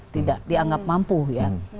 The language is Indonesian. tidak dianggap mampu ya